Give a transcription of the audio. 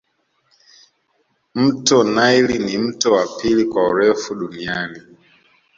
mto nile ni mto wa pili kwa urefu duniani